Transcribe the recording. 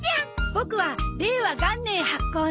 ボクは令和元年発行の。